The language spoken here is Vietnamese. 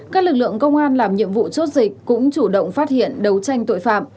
các lực lượng công an làm nhiệm vụ chốt dịch cũng chủ động phát hiện đấu tranh tội phạm